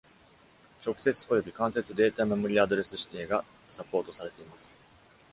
直接および間接データメモリアドレス指定がサポートされています。